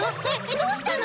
どうしたの？